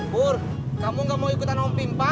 bur kamu gak mau ikutan om pimpa